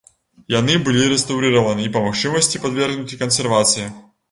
Яны былі рэстаўрыраваны і, па магчымасці, падвергнуты кансервацыі.